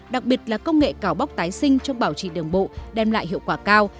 đặc biệt là công nghệ cào bóc tái sinh trong bảo trì đường bộ đem lại hiệu quả cao